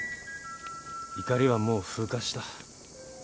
怒りはもう風化した。